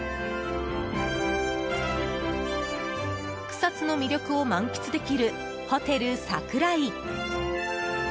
草津の魅力を満喫できるホテル櫻井。